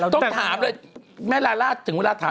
ต้องถามเลยแม่ลาล่าถึงเวลาถาม